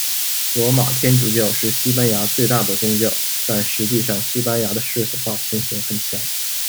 罗马天主教是西班牙最大的宗教，但实际上西班牙的世俗化情形很强。